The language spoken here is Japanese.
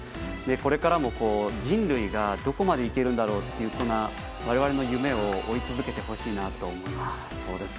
これからも、人類がどこまでいけるんだろうという我々の夢を追い続けてほしいなと思います。